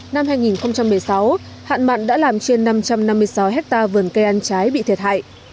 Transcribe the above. năm hai nghìn một mươi sáu hạn mặn đã làm trên năm trăm năm mươi sáu hectare vườn cây ăn trái bị thiệt hại